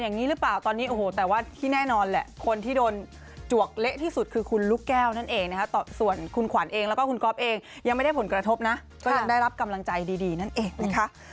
นั่นเองนะครับส่วนคุณขวัญเองแล้วก็คุณกรอบเองยังไม่ได้ผลกระทบนะก็ยังได้รับกำลังใจดีดีนั่นเองนะคะ